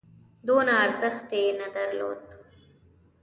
دونه ارزښت یې نه درلود.